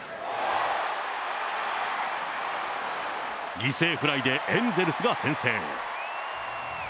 犠牲フライでエンゼルスが先制。